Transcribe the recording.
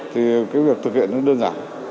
thì cái việc thực hiện nó đơn giản